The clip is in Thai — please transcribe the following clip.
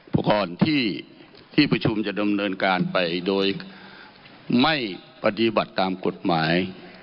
อุปกรณ์ที่ประชุมจะดำเนินการไปโดยไม่ปฏิบัติตามกฎหมาย